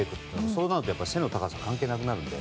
そうなると、背の高さは関係なくなるので。